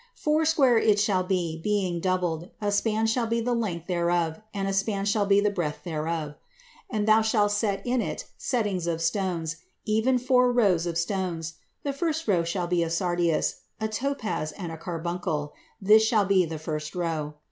Foursquare it shall be being doubled; a span shall be the length thereof, and a span shall be the breadth thereof. And thou shalt set in it settings of stones, even four rows of stones: the first row shall be a sardius, a topaz, and a carbuncle: this shall be the first row.